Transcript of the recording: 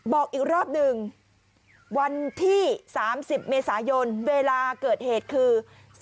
บอกอีกรอบหนึ่งวันที่๓๐เมษายนเวลาเกิดเหตุคือ